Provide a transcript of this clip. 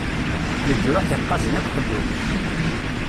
Leǧruḥ iqaẓen akk ḥellun.